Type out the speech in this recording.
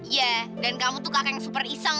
iya dan kamu tuh kakak yang super iseng